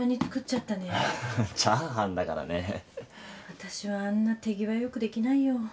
私はあんな手際よくできないよ。